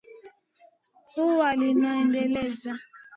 Ua linaoendeza.